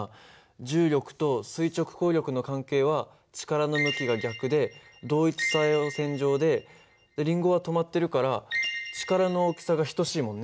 重力と垂直抗力の関係は力の向きが逆で同一作用線上でリンゴは止まってるから力の大きさが等しいもんね。